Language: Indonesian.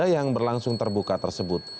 yang berlangsung terbuka tersebut